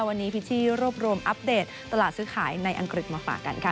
วันนี้พิชชี่รวบรวมอัปเดตตลาดซื้อขายในอังกฤษมาฝากกันค่ะ